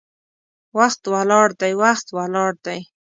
وخت ولاړ دی، وخت ولاړ دی